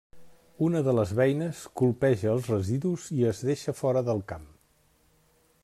Una de les beines colpeja els residus i es deixa fora del camp.